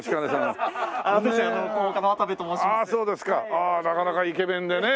ああなかなかイケメンでね。